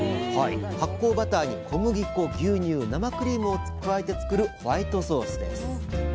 発酵バターに小麦粉牛乳生クリームを加えて作るホワイトソースです。